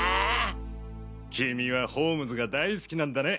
君はホームズが大好きなんだね。